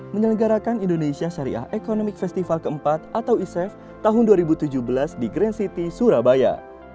menyelenggarakan indonesia syariah economic festival keempat atau isef tahun dua ribu tujuh belas di grand city surabaya